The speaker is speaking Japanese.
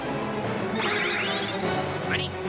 あれ？